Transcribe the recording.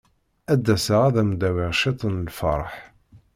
Ad d-aseɣ ad am-d-awiɣ ciṭ n lferḥ.